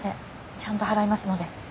ちゃんと払いますので。